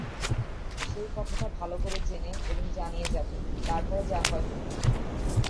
সেই কথাটা ভালো করে জেনে এবং জানিয়ে যাব, তার পরে যা হয় হোক।